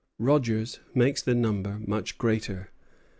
Rogers makes the number much greater.